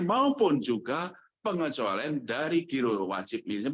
maupun juga pengecualian dari giro wajib minim